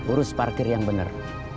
urus parkir yang benar